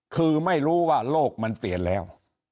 คือไม่รู้ว่าโลกมันเปลี่ยนแล้ว